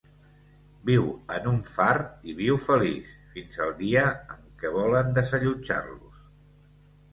Viu en un far i viu feliç, fins al dia en què volen desallotjar-los.